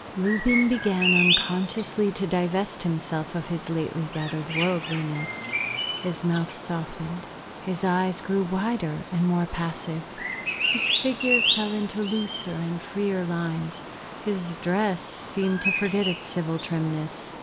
Reuben began unconsciously to divest himself of his lately gathered worldliness; his mouth softened, his eyes grew wider and more passive, his figure fell into looser and freer lines, his dress seemed to forget its civil trimness.